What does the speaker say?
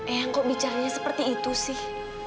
eang kok bicarnya seperti itu sih